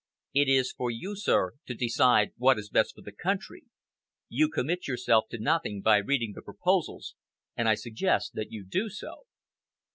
It is for you, sir, to decide what is best for the country. You commit yourself to nothing by reading the proposals, and I suggest that you do so."